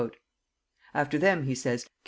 After them, he says, came M.